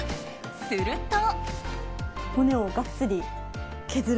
すると。